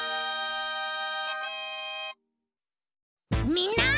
みんな！